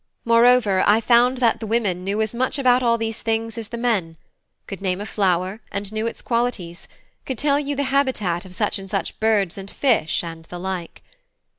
Moreover, I found that the women knew as much about all these things as the men: could name a flower, and knew its qualities; could tell you the habitat of such and such birds and fish, and the like.